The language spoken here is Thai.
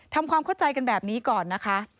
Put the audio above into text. ทำความเข้าใจกันแบบนี้ก่อนนะคะ